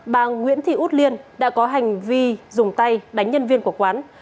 bà nguyễn thị út liên đã có hành vi dùng tay đánh nhân viên của quán